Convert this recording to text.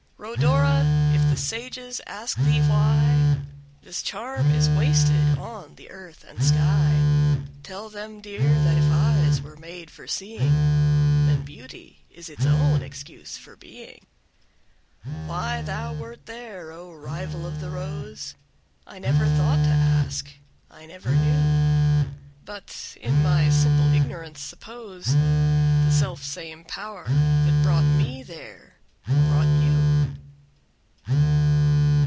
Rhodora! if the sages ask thee why This charm is wasted on the earth and sky, Tell them, dear, that if eyes were made for seeing, Then Beauty is its own excuse for being: Why thou wert there, O rival of the rose! I never thought to ask, I never knew: But, in my simple ignorance, suppose The self same Power that brought me there brought you.